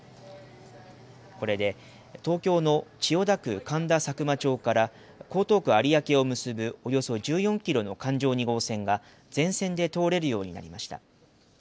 これで東京の千代田区神田佐久間町から江東区有明を結ぶおよそ１４キロの環状２号線が全線で通れるようになりました。